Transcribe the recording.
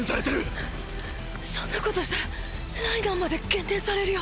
そんなことしたらライナーまで減点されるよ。